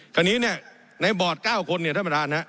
คราวนี้เนี่ยในบอร์ด๙คนเนี่ยธรรมดานะ